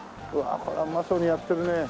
これはうまそうにやってるね。